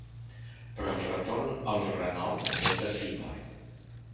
Però el retorn al renou és efímer.